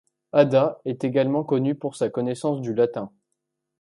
Ada est également connue pour sa connaissance du latin.